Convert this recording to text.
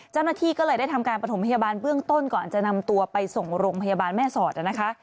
เจ้าหน้าที่ก็เลยได้ทำการประถมพยาบาลเบื้องต้นก่อนจะนำตัวไปส่งโรงพยาบาลแม่สอดนะคะ